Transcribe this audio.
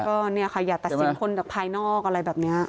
ก็เนี่ยค่ะอย่าตัดสินคนจากภายนอกอะไรแบบนี้